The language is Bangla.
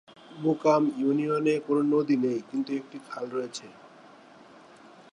মোকাম ইউনিয়নে কোন নদী নেই কিন্তু একটি খাল রয়েছে।